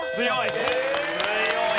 強い。